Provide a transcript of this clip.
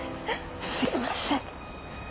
すいません。